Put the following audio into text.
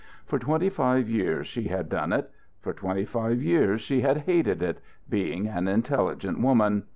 For twenty five years she had done it. For twenty five years she had hated it being an intelligent woman.